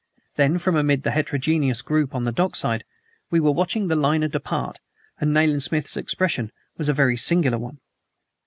Then, from amid the heterogeneous group on the dockside, we were watching the liner depart, and Nayland Smith's expression was a very singular one.